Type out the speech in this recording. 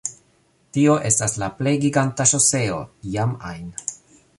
Tio estas la plej giganta ŝoseo iam ajn